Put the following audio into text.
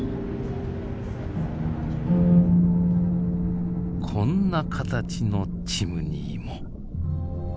こんな形のチムニーも。